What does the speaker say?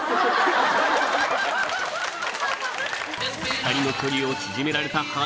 ２人の距離を縮められたはず！